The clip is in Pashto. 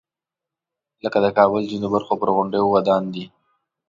لکه د کابل ځینو برخو پر غونډیو ودان دی.